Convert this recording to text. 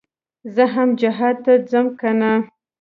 زه هم جهاد ته ځم كنه.